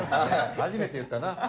初めて言ったな。